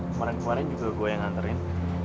kemarin kemarin juga gue yang nganterin